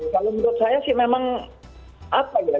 kalau menurut saya sih memang apa ya